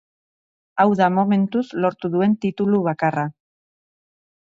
Hau da momentuz lortu duen titulu bakarra.